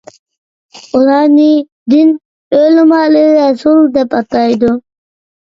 ئۇلارنى دىن ئۆلىمالىرى رەسۇل دەپ ئاتايدۇ.